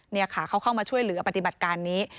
นี่ค่ะเขาเข้ามาช่วยเหลือปฏิบัติการนี้